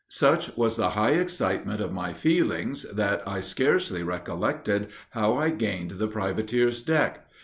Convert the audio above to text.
Such was the high excitement of my feelings, that I scarcely recollected how I gained the privateer's deck.